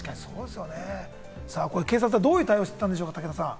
警察はどういう対応をしていたんでしょうか、武田さん。